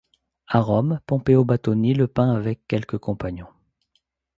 À Rome, Pompeo Batoni le peint avec quelques compagnons.